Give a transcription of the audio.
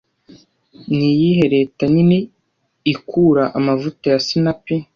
Niyihe leta nini ikura amavuta ya sinapi